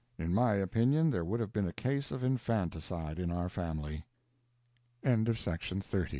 In my opinion there would have been a case of infanticide in our family. AN ENTERTAINING ARTICLE I